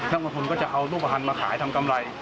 นักลงทุนก็จะเอารูปภัณฑ์มาขายทำกำไร